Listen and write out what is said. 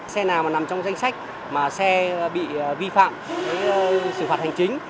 xe nào mà nằm trong danh sách mà xe bị vi phạm xử phạt hành chính